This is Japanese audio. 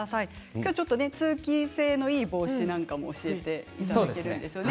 今日は通気性のいい帽子なんかも教えていただけるんですよね。